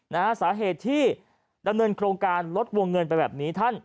นะฮะสาเหตุที่ดำเนินโครงการลดวงเงินไปแบบนี้ท่าน